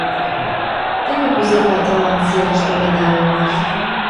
Теве кузе Катялан серыш толеда улмаш.